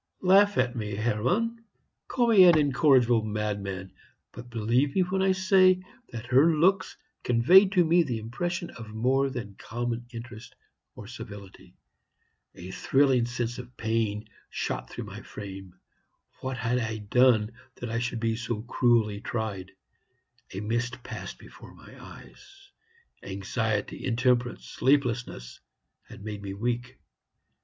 "Laugh at me, Hermann call me an incorrigible madman; but believe me when I say that her looks conveyed to me the impression of more than common interest or civility. A thrilling sense of pain shot through my frame. What had I done that I should be so cruelly tried? A mist passed before my eyes; anxiety, intemperance, sleeplessness, had made me weak.